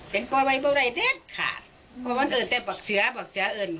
เป็นกว่าไว้บอกใดเรื่องขอบคุณเอ่อแต่บอกเสือบอกจะเอิ้น